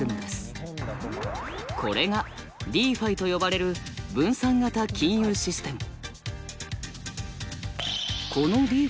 これがＤｅＦｉと呼ばれる分散型金融システム。